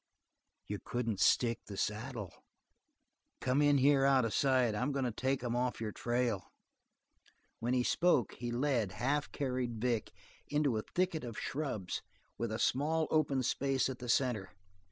"You couldn't stick the saddle. Come in here out of sight; I'm going to take 'em off your trail." While he spoke, he led, half carried Vic, into a thicket of shrubs with a small open space at the center.